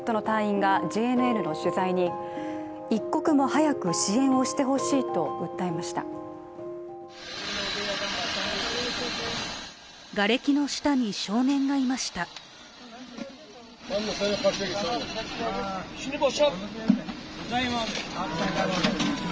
がれきの下に少年がいました。